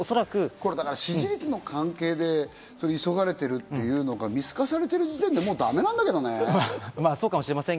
支持率の関係で急がれてるっていうのが見透かされている時点でだめだと思うんですけどね。